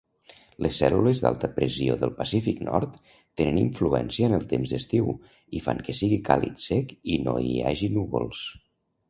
Les cèl·lules d'alta pressió del Pacífic Nord tenen influència en el temps d'estiu i fan que sigui càlid, sec i no hi hagi núvols.